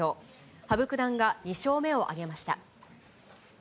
羽生九段が２勝目を挙げました。